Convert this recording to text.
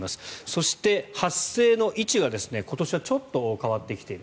そして、発生の位置が今年はちょっと変わってきている。